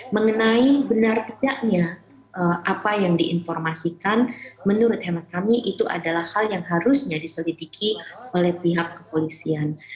jadi benar benarnya apa yang diinformasikan menurut hemat kami itu adalah hal yang harusnya diselidiki oleh pihak kepolisian